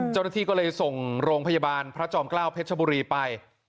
เจ้าหน้าที่ก็เลยส่งโรงพยาบาลพระจอมเกล้าเพชรบุรีไป